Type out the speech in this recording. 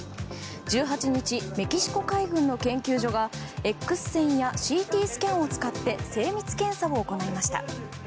１８日、メキシコ海軍の研究所がＸ線やＣＴスキャンを使って精密検査を行いました。